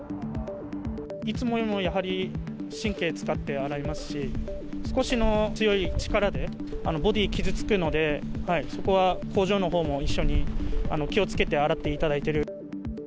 いつもよりもやはり神経使って洗いますし、少しの強い力で、ボディー傷つくので、そこは工場のほうも一緒に、気をつけて洗っていただいている。